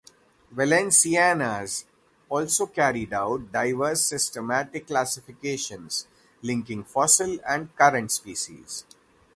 Valenciennes also carried out diverse systematic classifications, linking fossil and current species.